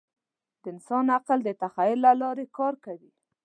د انسان عقل د تخیل له لارې کار کوي.